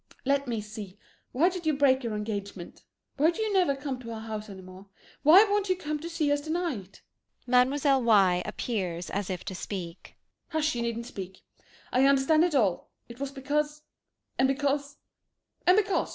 Let me see why did you break your engagement? Why do you never come to our house any more? Why won't you come to see us tonight? [Mlle. Y. appears as if about to speak.] MME. X. Hush, you needn't speak I understand it all! It was because and because and because!